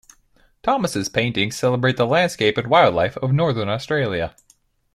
Thomas's paintings celebrate the landscape and wildlife of Northern Australia.